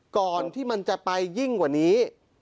ก่อนที่มันจะไปยิ่งกว่านี้